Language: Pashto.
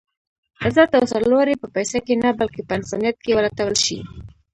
عزت او سر لوړي په پيسه کې نه بلکې په انسانيت کې ولټول شي.